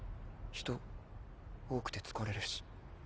人多くて疲れるし。